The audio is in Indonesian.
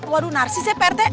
waduh narsis ya pak rt